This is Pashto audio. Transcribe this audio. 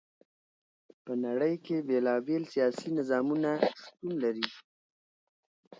په نړی کی بیلا بیل سیاسی نظامونه شتون لری.